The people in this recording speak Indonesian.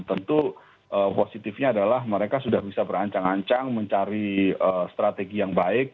tentu positifnya adalah mereka sudah bisa berancang ancang mencari strategi yang baik